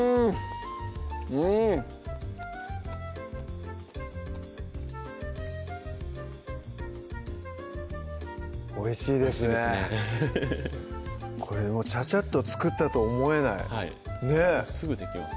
うんおいしいですねおいしいですねこれをちゃちゃっと作ったと思えないねぇすぐできます